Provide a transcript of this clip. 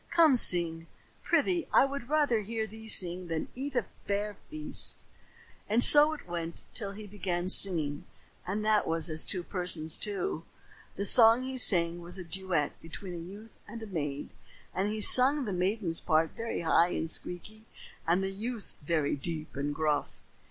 Come sing, prythee. I would rather hear thee sing than eat a fair feast." And so it went on till he began singing and that was as two persons, too. The song he sang was a duet between a youth and a maid, and he sung the maiden's part very high and squeaky and the youth's very deep and gruff.